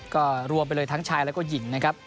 ก็รวมไปเลยทั้งชายแล้วก็หญิงนะครับ